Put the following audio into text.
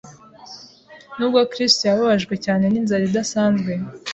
Nubwo Kristo yababajwe cyane n’inzara idasanzwe,